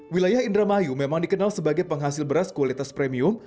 wilayah indramayu memang dikenal sebagai penghasil beras kualitas premium